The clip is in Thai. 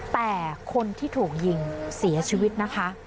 แต่คนที่ถูกยิงเสียชีวิตนะคะ